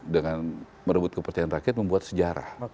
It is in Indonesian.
dengan merebut kepercayaan rakyat membuat sejarah